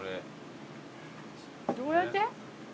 どうやって？